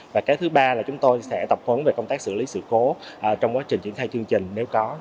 và cái thứ ba là chúng tôi sẽ tập huấn về công tác xử lý sự cố trong quá trình triển khai chương trình nếu có